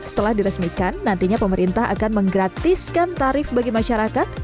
setelah diresmikan nantinya pemerintah akan menggratiskan tarif bagi masyarakat